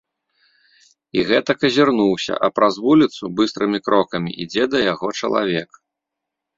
І гэтак азірнуўся, а праз вуліцу быстрымі крокамі ідзе да яго чалавек.